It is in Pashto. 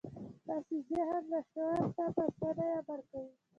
داسې ذهن لاشعور ته په اسانۍ امر کوي